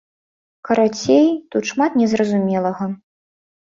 Карацей, тут шмат незразумелага.